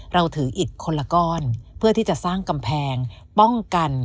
เราถืออิดคนละก้อนเพื่อที่จะสร้างกำแพงป้องกัน